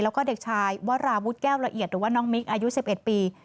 แล้วก็เด็กชายวราวุฒิแก้วละเอียดหรือว่าน้องมิกอายุ๑๑ปี